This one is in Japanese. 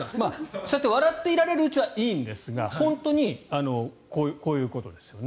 そうやって笑っていられるうちはいいんですが本当にこういうことですよね。